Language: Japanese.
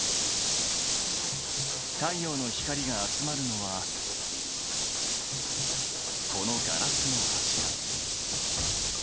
太陽の光が集まるのはこのガラスの柱。